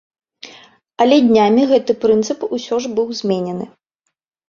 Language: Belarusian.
Але днямі гэты прынцып усё ж быў зменены.